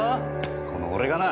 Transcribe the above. この俺がな